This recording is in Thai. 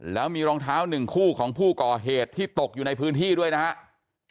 แล้วมีรองเท้าหนึ่งคู่ของผู้ก่อเหตุที่ตกอยู่ในพื้นที่ด้วยนะครับ